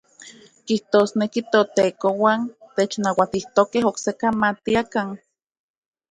Kijtosneki ToTekouan technauatijtokej oksekan matiakan.